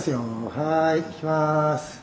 はいいきます。